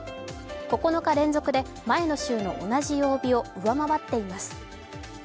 ９日連続で前の週の同じ曜日を上回っています。